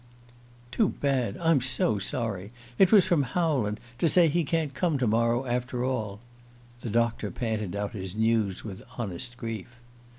"Too bad! I'm so sorry! It was from Howland, to say he can't come to morrow after all." The doctor panted out his news with honest grief.